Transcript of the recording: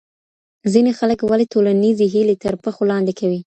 ځینې خلګ ولې ټولنیزې هیلې تر پښو لاندې کوي؟